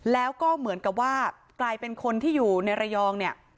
แล้วก็เหมือนกับว่ากลายเป็นคนที่อยู่ในระยองเนี่ย